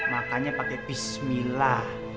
makanya pakai bismillah